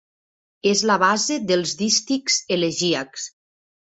És la base dels dístics elegíacs.